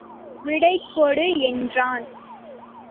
விடை கொடு என்றான்.